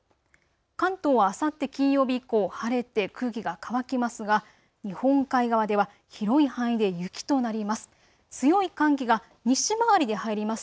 関東はあさって金曜日以降、晴れて空気が乾きますが日本海側では広い範囲で雪となります。